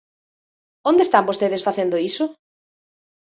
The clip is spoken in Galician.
¿Onde están vostedes facendo iso?